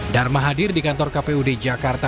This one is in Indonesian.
dharma hadir di kantor kpud jakarta